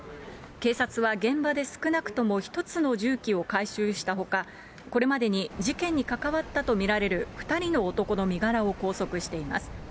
警察は現場で少なくとも１つの銃器を回収したほか、これまでに事件に関わったと見られる２人の男の身柄を拘束しています。